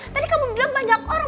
tadi kamu bilang banyak orang